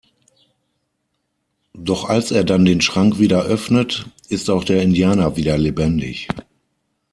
Doch als er dann den Schrank wieder öffnet, ist auch der Indianer wieder lebendig.